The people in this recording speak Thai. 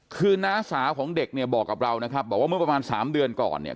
คือน้าสาวของเด็กเนี่ยบอกกับเรานะครับบอกว่าเมื่อประมาณ๓เดือนก่อนเนี่ย